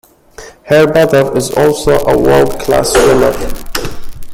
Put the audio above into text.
Her brother is also a world class swimmer.